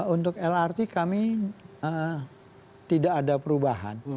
untuk lrt kami tidak ada perubahan